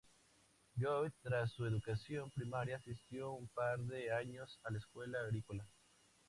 Joe, tras su educación primaria, asistió un par de años a la escuela agrícola.